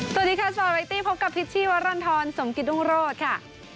สวัสดีค่ะสวัสดีครับพบกับพิธีวรรณธรสมกิตดุ้งโรธค่ะ